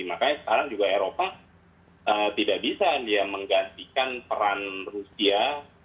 makanya sekarang juga eropa tidak bisa dia menggantikan peran rusia